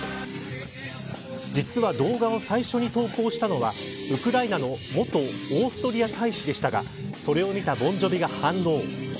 実は動画を最初に投稿したのはウクライナの元オーストリア大使でしたがそれを見たボン・ジョヴィが反応。